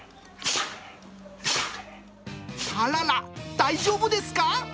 あらら、大丈夫ですか？